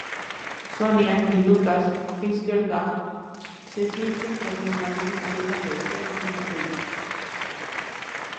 Sonya y Lucas Fitzgerald se sienten traicionados y se alejan de Steph y Toadie.